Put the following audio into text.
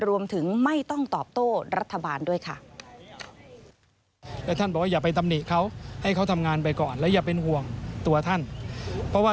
รวมถึงไม่ต้องตอบโตรัฐบาลด้วยค่ะ